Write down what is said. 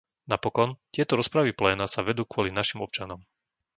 Napokon, tieto rozpravy pléna sa vedú kvôli našim občanom.